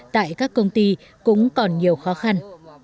tại các công ty cũng còn nhiều khó khăn